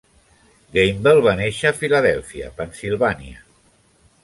Gambel va néixer a Filadèlfia, Pennsilvània.